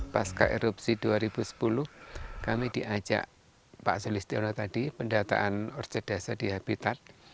pasca erupsi dua ribu sepuluh kami diajak pak selistiono tadi pendataan orcedesa di habitat